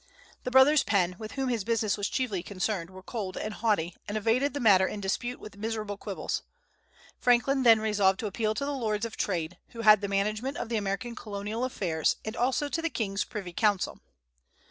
The brothers Penn, with whom his business was chiefly concerned, were cold and haughty, and evaded the matter in dispute with miserable quibbles. Franklin then resolved to appeal to the Lords of Trade, who had the management of the American colonial affairs, and also to the King's Privy Council.